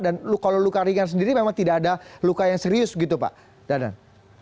dan kalau luka ringan sendiri memang tidak ada luka yang serius gitu pak dadang